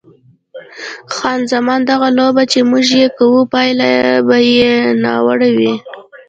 خان زمان: دغه لوبه چې موږ یې کوو پایله به یې ناوړه وي.